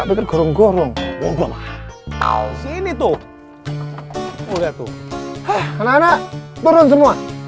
sini tuh udah tuh anak anak berun semua